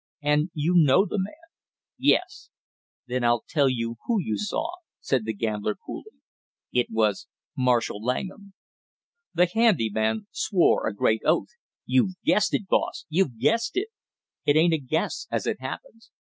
"And you know the man?" "Yes." "Then I'll tell you who you saw," said the gambler coolly; "it was Marshall Langham." The handy man swore a great oath. "You've guessed it, boss! You've guessed it." "It ain't a guess as it happens."